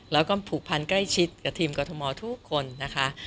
แล้วก็ผูกพันใกล้ชิดกับทีมกรทมทุกคนนะคะ